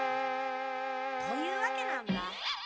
というわけなんだ。